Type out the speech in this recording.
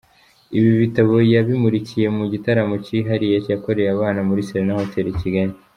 Ibi bitabo yabimurikiye mu gitaramo cyihariye yakoreye abana muri Serena Hotel i Kigali.